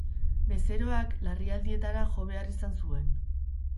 Bezeroak larrialdietara jo behar izan zuen.